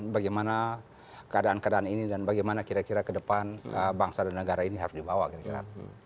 bagaimana keadaan keadaan ini dan bagaimana kira kira ke depan bangsa dan negara ini harus dibawa kira kira